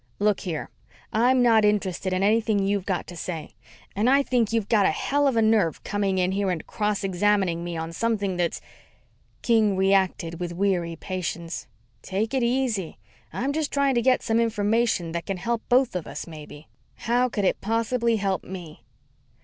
"Look here, I'm not interested in anything you've got to say. And I think you've got a hell of a nerve, coming in here and cross examining me on something that's " King reacted with weary patience. "Take it easy. I'm just trying to get some information that can help both of us, maybe." "How could it possibly help me?"